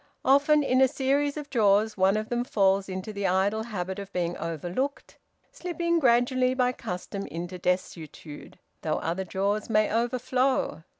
Often, in a series of drawers, one of them falls into the idle habit of being overlooked, slipping gradually by custom into desuetude, though other drawers may overflow.